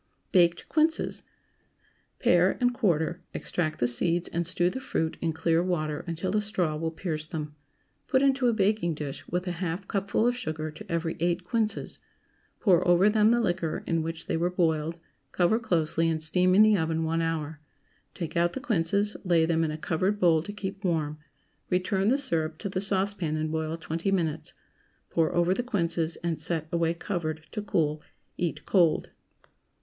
BAKED QUINCES. Pare and quarter; extract the seeds and stew the fruit in clear water until a straw will pierce them; put into a baking dish with a half cupful of sugar to every eight quinces; pour over them the liquor in which they were boiled; cover closely, and steam in the oven one hour; take out the quinces, lay them in a covered bowl to keep warm; return the syrup to the saucepan, and boil twenty minutes; pour over the quinces, and set away covered, to cool. Eat cold.